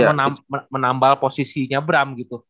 yang istilahnya menambal posisinya bram gitu